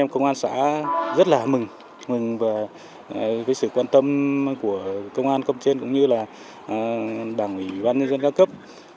công an xã rất là mừng mừng với sự quan tâm của công an công trên cũng như là đảng ủy ban nhân dân cao cấp